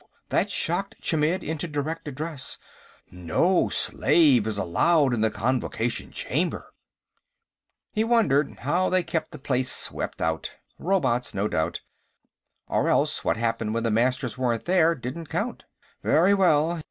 That shocked Chmidd into direct address. "No slave is allowed in the Convocation Chamber." He wondered how they kept the place swept out. Robots, no doubt. Or else, what happened when the Masters weren't there didn't count. "Very well.